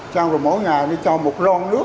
xong rồi mỗi ngày nó cho một lon nước